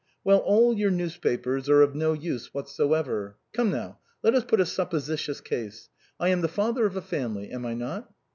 Well, all your newspapers are of no use whatever. Come now, let us put a supposititious case. I am the father of a family, am I not